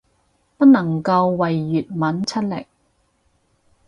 不能夠為粵文出力